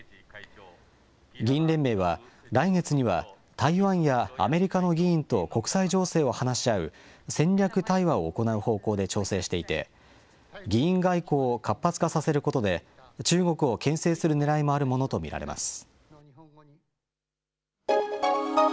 議員連盟は来月には台湾やアメリカの議員と国際情勢を話し合う戦略対話を行う方向で調整していて、議員外交を活発化させることで中国をけん制するねらいもあるものと見られます。